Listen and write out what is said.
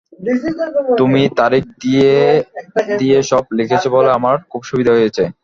তুমি তারিখ দিয়ে দিয়ে সব লিখেছ বলে আমার খুব সুবিধা হয়েছে।